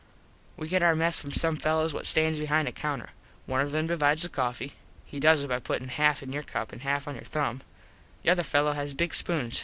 We get our mess from some fellos what stands behind a counter. One of them divides the coffee. He does it by puttin half in your cup an half on your thumb. The other fellos has big spoons.